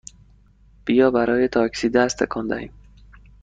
بیا برای تاکسی دست تکان دهیم!